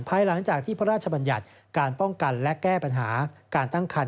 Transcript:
ภายหลังจากที่พระราชบัญญัติการป้องกันและแก้ปัญหาการตั้งคัน